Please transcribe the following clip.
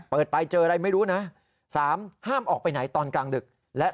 ไปเจออะไรไม่รู้นะ๓ห้ามออกไปไหนตอนกลางดึก